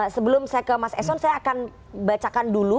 sebelum saya ke mas eson saya akan bacakan dulu